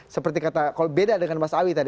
seperti kata kalau beda dengan mas awi tadi